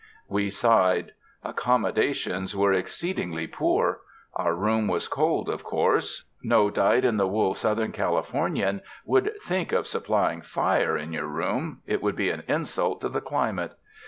We sighed. Accommodations were exceedingly 112 SPRING DAYS IN A CARRIAGE poor. Our room was cold, of course; no dyed in the wool Southern Californian would think of sup plying fire in your room — it would be an insult to the climate.